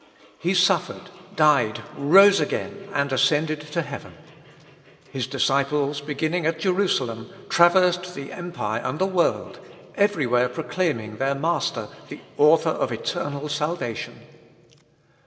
He suffered, died, rose again, and ascended to heaven. His disciples, beginning at Jerusalem, traversed the empire and the world, everywhere proclaiming their Master "the Author of eternal salvation."